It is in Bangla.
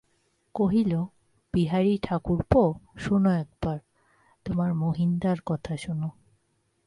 কহিল, বিহারী-ঠাকুরপো, শোনো একবার, তোমার মহিনদার কথা শোনো।